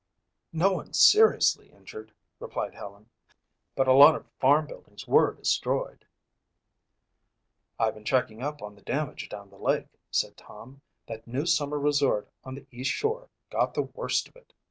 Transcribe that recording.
"No one seriously injured," replied Helen, "but a lot of farm buildings were destroyed." "I've been checking up on the damage down the lake," said Tom, "that new summer resort on the east shore got the worst of it.